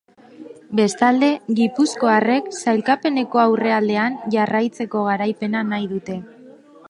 Bestalde, gipuzkoarrek sailkapeneko aurrealdean jarraitzeko garaipena nahi dute.